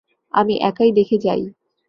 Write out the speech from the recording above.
আমি একাই দেখে যাই।